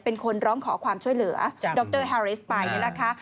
เป็นคนร้องขอความช่วยเหลือดรฮาเรสปายนี่แหละคะ